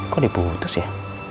kau di putus ya